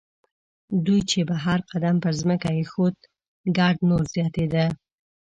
دوی چې به هر قدم پر ځمکه اېښود ګرد نور زیاتېده.